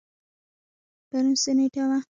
پرون څه نیټه وه؟